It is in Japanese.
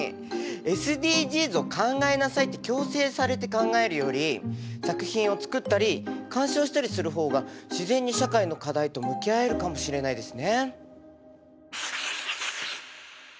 「ＳＤＧｓを考えなさい」って強制されて考えるより作品を作ったり鑑賞したりする方が自然に社会の課題と向き合えるかもしれないですね。